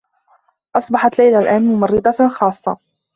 أصبحت ليلى الآن ممرّضة خاصّة.